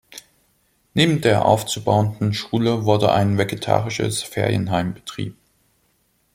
Neben der aufzubauenden Schule wurde ein vegetarisches Ferienheim betrieben.